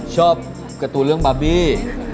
อ๋อชอบกระตุ๋เรื่องบับบี้